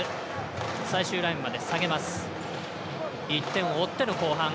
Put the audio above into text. １点を追っての後半。